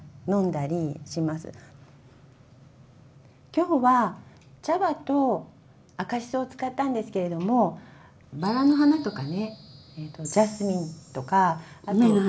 きょうは茶葉と赤しそを使ったんですけれどもばらの花とかねジャスミンとか。